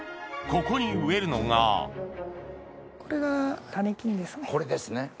ここに植えるのがこれが種菌ですね。